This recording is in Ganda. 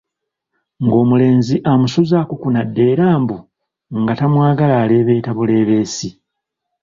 Ng’omulenzi amusuza akukunadde era mbu nga tamwagala alebeeta bulebeesi.